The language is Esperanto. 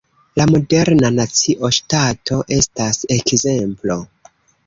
La moderna Nacio-ŝtato estas ekzemplo.